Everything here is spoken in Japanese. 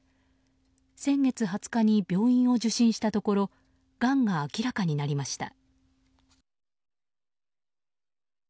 先月２０日に病院を受診したところがんが明らかになりました。